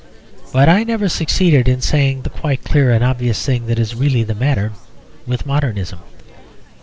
But I never succeeded in saying the quite clear and obvious thing that is really the matter with modernism.